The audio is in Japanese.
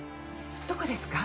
どこですか？